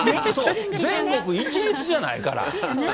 全国一律じゃないから。